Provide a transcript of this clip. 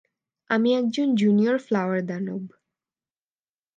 আমি একজন junior flower দানব।